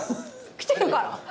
来てるから。